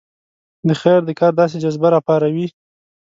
د خیر د کار داسې جذبه راپاروي.